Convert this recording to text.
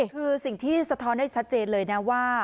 คือสิ่งที่สะท้อนได้ชัดเจนเลยนะว่า